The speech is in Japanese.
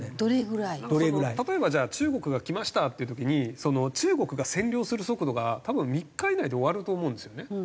例えばじゃあ中国が来ましたっていう時に中国が占領する速度が多分３日以内で終わると思うんですよね。